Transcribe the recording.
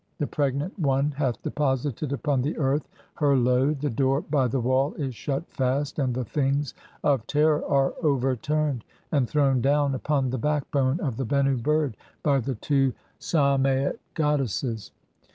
The pregnant one hath deposited [upon the earth] her "load. The door by the wall is shut fast, and the (14) things "of terror are overturned and thrown down upon the backbone (?) "of the lienmi bird by the two Samait goddesses.